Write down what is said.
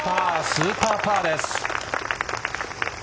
スーパーパーです。